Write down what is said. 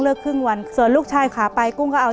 เปลี่ยนเพลงเพลงเก่งของคุณและข้ามผิดได้๑คำ